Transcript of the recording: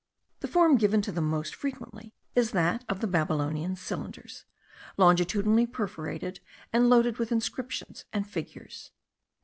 The form given to them most frequently is that of the Babylonian cylinders,* longitudinally perforated, and loaded with inscriptions and figures.